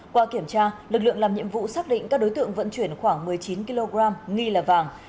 qua kiểm tra lực lượng làm nhiệm vụ xác định các đối tượng vận chuyển khoảng một mươi chín kg nghi là vàng